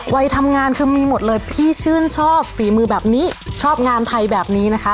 วัยทำงานคือมีหมดเลยพี่ชื่นชอบฝีมือแบบนี้ชอบงานไทยแบบนี้นะคะ